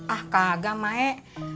ah kagak maek